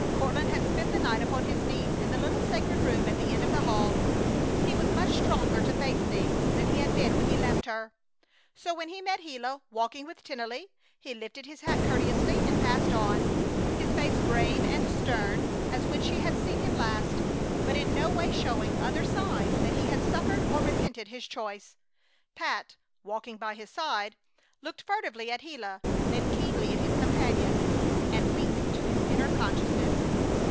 Courtland had spent the night upon his knees in the little sacred room at the end of the hall. He was much stronger to face things than he had been when he left her. So when he met Gila walking with Tennelly he lifted his hat courteously and passed on, his face grave and stern as when she had last seen him, but in no way showing other sign that he had suffered or repented his choice. Pat, walking by his side, looked furtively at Gila then keenly at his companion, and winked to his inner consciousness.